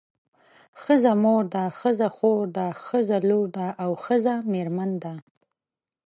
ښځه مور ده ښځه خور ده ښځه لور ده او ښځه میرمن ده.